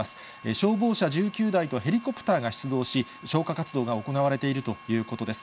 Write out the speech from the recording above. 消防車１９台とヘリコプターが出動し、消火活動が行われているということです。